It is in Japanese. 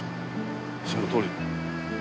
そのとおり。